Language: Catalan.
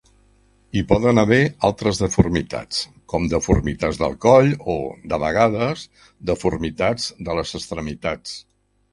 Hi poden haver altres deformitats, com deformitats del coll o, de vegades, deformitats de les extremitats.